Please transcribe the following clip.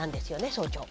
総長。